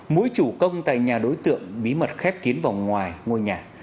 mũi chủ công tại nhà đối tượng bí mật khép kiến vòng ngoài ngôi nhà